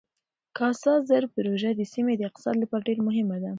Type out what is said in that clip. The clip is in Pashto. کاسا زر پروژه د سیمې د اقتصاد لپاره ډېره مهمه ده.